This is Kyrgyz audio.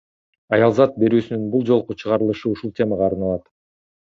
Аялзат берүүсүнүн бул жолку чыгарылышы ушул темага арналат.